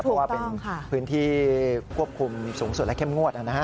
เพราะว่าเป็นพื้นที่ควบคุมสูงสุดและเข้มงวดนะฮะ